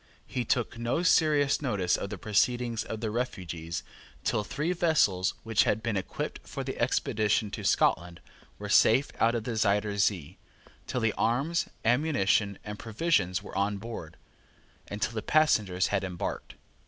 He took no serious notice of the proceedings of the refugees till three vessels which had been equipped for the expedition to Scotland were safe out of the Zuyder Zee, till the arms, ammunition, and provisions were on board, and till the passengers had embarked.